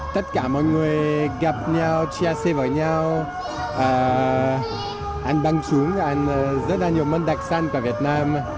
tất cả mọi người gặp nhau chia sẻ với nhau anh đăng trúng anh rất là nhiều môn đặc sản của việt nam